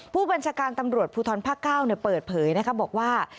ผู้บัญชาการตำรวจพุทธรพะเก้าเนี่ยเปิดเผยนะครับบอกว่า